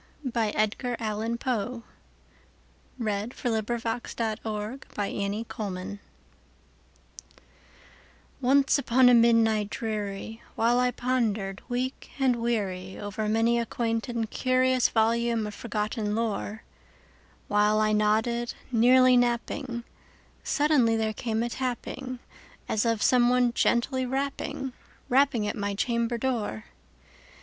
1912. Edgar Allan Poe 1809–1849 Edgar Allan Poe 84 The Raven ONCE upon a midnight dreary, while I pondered, weak and weary, Over many a quaint and curious volume of forgotten lore,—While I nodded, nearly napping, suddenly there came a tapping, As of some one gently rapping, rapping at my chamber door.